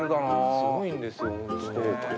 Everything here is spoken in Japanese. すごいんですよ。